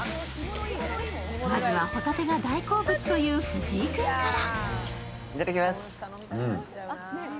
まずは、ホタテが大好物という藤井君から。